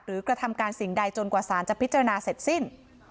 หรือกระทำการสิ่งใดจนกว่าศาลผิดชนะเสร็จสิ้น